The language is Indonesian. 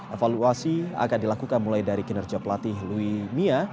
evaluasi akan dilakukan mulai dari kinerja pelatih louis mia